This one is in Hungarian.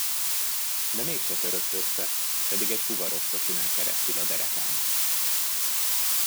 De mégse törött össze, pedig egy fuvaroskocsi ment keresztül a derekán.